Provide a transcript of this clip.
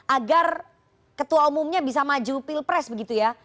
agar ketua umumnya bisa maju pilpres begitu ya